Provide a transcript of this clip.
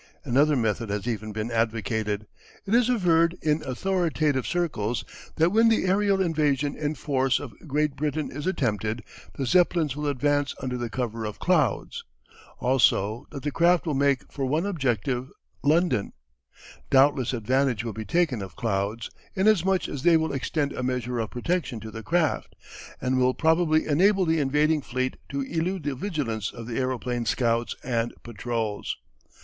Another method has even been advocated. It is averred in authoritative circles that when the aerial invasion in force of Great Britain is attempted, the Zeppelins will advance under the cover of clouds. Also that the craft will make for one objective London. Doubtless advantage will be taken of clouds, inasmuch as they will extend a measure of protection to the craft, and will probably enable the invading fleet to elude the vigilance of the aeroplane scouts and patrols.